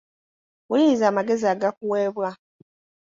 Wuliriza amagezi agakuweebwa.